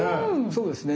そうですね。